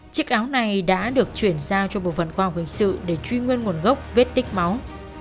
chiếc áo này đã được chuyển giao cho bộ phận khoa học hình sự để truy nguyên nguồn gốc vết tích máu